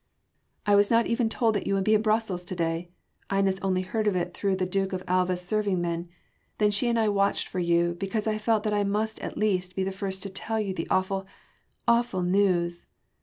"I was not even told that you would be in Brussels to day Inez only heard of it through the Duke of Alva’s serving man then she and I watched for you, because I felt that I must at least be the first to tell you the awful awful news!